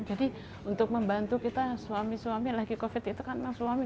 jadi untuk membantu kita suami suami lagi covid itu kan memang suami